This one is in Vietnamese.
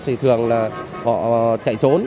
thì thường là họ chạy trốn